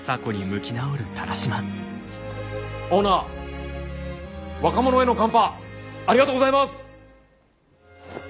オーナー若者へのカンパありがとうございます。